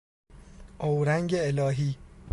اورنگ الهی